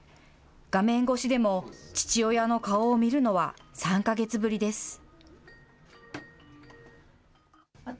画面越しでも父親の顔を見るのは３か月ぶりです。